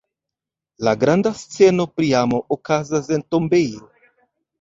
La granda sceno pri amo, okazas en tombejo!